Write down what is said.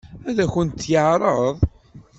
Ad akent-t-yeɛṛeḍ?